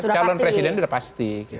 calon presiden sudah pasti